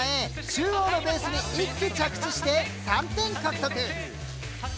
中央のベースに１機着地して３点獲得。